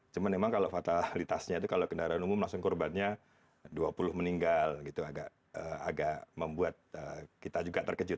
cuman memang kalau fatalitasnya itu kalau kendaraan umum langsung korbannya dua puluh meninggal gitu agak membuat kita juga terkejut